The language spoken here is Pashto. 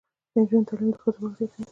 د نجونو تعلیم د ښځو واک زیاتوي.